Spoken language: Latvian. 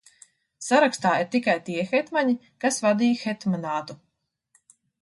Sarakstā ir tikai tie hetmaņi, kas vadīja Hetmanātu.